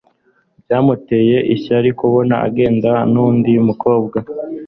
Byamuteye ishyari kubona agenda n'undi mukobwa